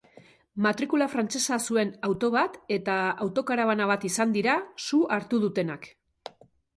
Matrikula frantsesa zuen auto bat eta auto-karabana bat izan dira su hartu dutenak.